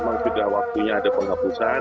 memang sudah waktunya ada penghapusan